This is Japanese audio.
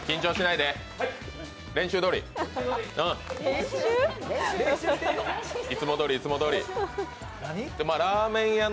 いつもどおり、いつもどおり！